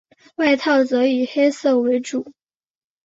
外套则以黑色为主。